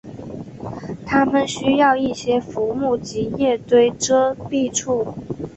它们需要一些浮木及叶堆遮蔽处。